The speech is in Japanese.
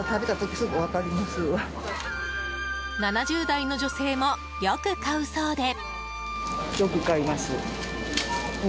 ７０代の女性もよく買うそうで。